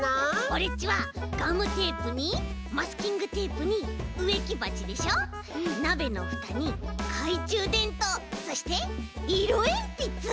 オレっちはガムテープにマスキングテープにうえきばちでしょなべのふたにかいちゅうでんとうそしていろえんぴつ！